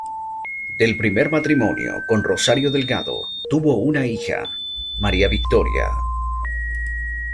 Del primer matrimonio con Rosario Delgado, tuvo una hija, María Victoria.